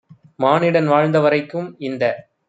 மானிடன் வாழ்ந்த வரைக்கும் - இந்த